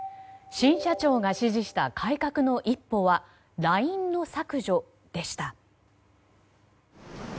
新社長が指示した改革の一歩はＬＩＮＥの削除でした。